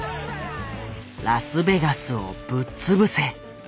「ラスベガスをぶっつぶせ」。